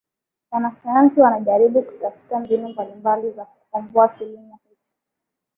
Wanasayansi wanajaribu kutafuta mbinu mbalimbali za kukomboa kilimo hicho